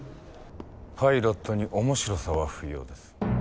パイロットに面白さは不要です。